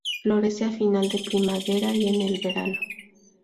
Florece a final de primavera y en el verano.